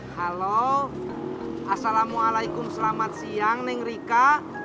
halo assalamualaikum selamat siang neng rika